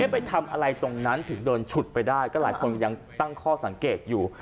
ไปทำอะไรตรงนั้นถึงโดนฉุดไปได้ก็หลายคนยังตั้งข้อสังเกตอยู่